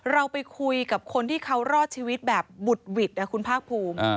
เราไปคุยกับคนที่เขารอดชีวิตแบบบุดหวิดนะคุณภาคภูมิ